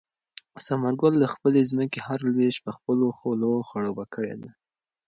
ثمر ګل د خپلې ځمکې هره لوېشت په خپلو خولو خړوبه کړې ده.